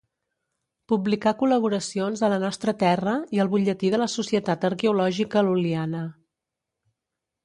Publicà col·laboracions a La Nostra Terra i al Butlletí de la Societat Arqueològica Lul·liana.